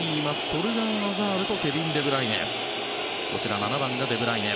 トルガン・アザールとケビン・デブライネ。